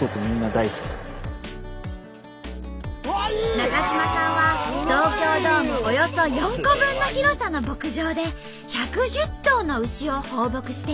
中島さんは東京ドームおよそ４個分の広さの牧場で１１０頭の牛を放牧しています。